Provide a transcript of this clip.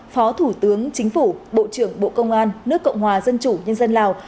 phó thủ tướng chính phủ bộ trưởng bộ công an nước cộng hòa dân chủ nhân dân lào